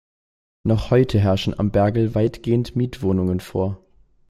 Noch heute herrschen am Bergl weitgehend Mietwohnungen vor.